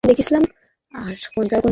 সে বলল, হে আমার পিতা!